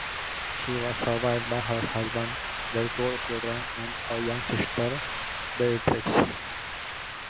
She was survived by her husband, their two children, and a younger sister, Beatrice.